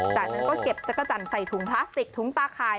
จากนั้นก็เก็บจักรจันทร์ใส่ถุงพลาสติกถุงตาข่าย